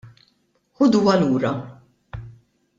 Ħuduha lura!